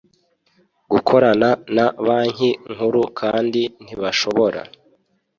gukorana na Banki Nkuru kandi ntibashobora